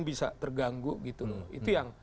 bisa terganggu gitu itu yang